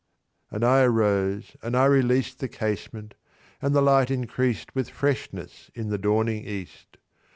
And I arose, and I released The casement, and the light increased With freshness in the dawning east.